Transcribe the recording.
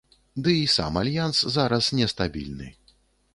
Дый і сам альянс зараз не стабільны.